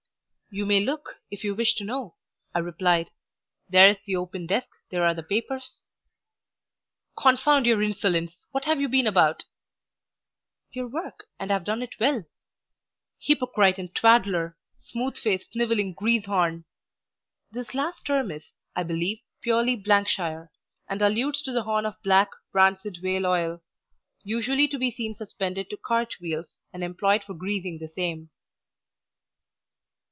"You may look, if you wish to know," I replied. "There is the open desk, there are the papers." "Confound your insolence! What have you been about?" "Your work, and have done it well." "Hypocrite and twaddler! Smooth faced, snivelling greasehorn!" (This last term is, I believe, purely shire, and alludes to the horn of black, rancid whale oil, usually to be seen suspended to cart wheels, and employed for greasing the same.)